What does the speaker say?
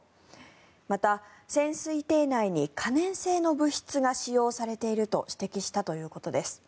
また、潜水艇内に可燃性の物質が使用されていると指摘したということです。